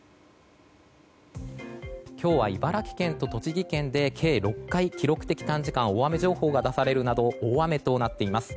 今日は茨城県と栃木県で計６回、記録的短時間大雨情報が出されるなど大雨となっています。